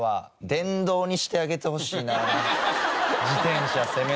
電動にしてあげてほしい。